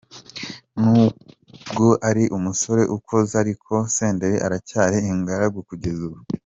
N’ubwo ari umusore ukuze ariko, Senderi aracyari ingaragu kugeza ubu.